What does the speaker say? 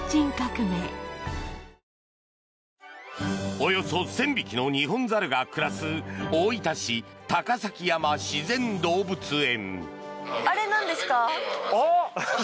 およそ１０００匹のニホンザルが暮らす大分市・高崎山自然動物園。